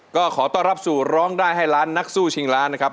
ก็ขอต้อนรับสู่ร้องได้ให้ล้านนักสู้ชิงล้านนะครับ